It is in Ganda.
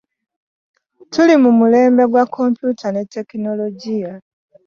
Tuli mu mulembe gwa kompyuta ne tekinogiya.